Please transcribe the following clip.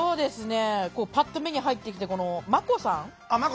パッと目に入ってきたまこさん